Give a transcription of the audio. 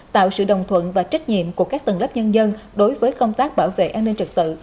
tạo sự đồng thuận và trách nhiệm của các tầng lớp nhân dân đối với công tác bảo vệ an ninh trật tự